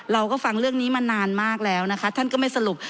เราก็ฟังเรื่องนี้มานานมากแล้วนะคะท่านก็ไม่สรุป